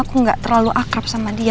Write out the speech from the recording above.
aku gak terlalu akrab sama dia